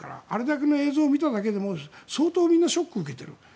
あれだけの映像を見ただけでも相当みんなショックを受けている。